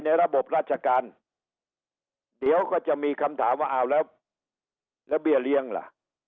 ระบบราชการเดี๋ยวก็จะมีคำถามว่าอ้าวแล้วแล้วเบี้ยเลี้ยงล่ะ